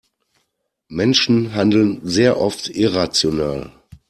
Menschen handeln sehr oft irrational.